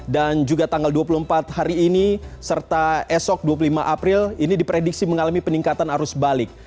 dan juga tanggal dua puluh empat hari ini serta esok dua puluh lima april ini diprediksi mengalami peningkatan arus balik